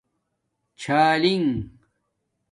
چھالنگ